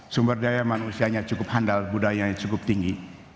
sumber daya manusianya cukup handal budayanya cukup tinggi